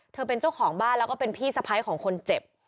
เป็นเจ้าของบ้านแล้วก็เป็นพี่สะพ้ายของคนเจ็บ